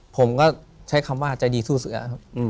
ผมก็ใช้คำว่าใจดีสู้เสือครับ